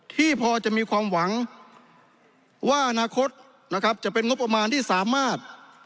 ที่พอจะมีความหวังว่าอนาคตนะครับจะเป็นงบประมาณที่สามารถ